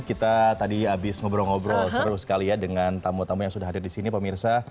kita tadi habis ngobrol ngobrol seru sekali ya dengan tamu tamu yang sudah hadir di sini pemirsa